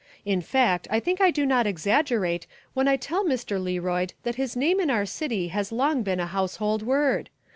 In fact I think I do not exaggerate when I tell Mr. Learoyd that his name in our city has long been a household word.